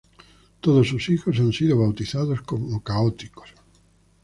Todos sus hijos han sido bautizados como católicos.